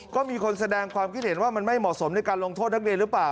ก็มีคนแสดงความคิดเห็นว่ามันไม่เหมาะสมในการลงโทษนักเรียนหรือเปล่า